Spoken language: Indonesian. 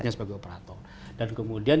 hanya sebagai operator dan kemudian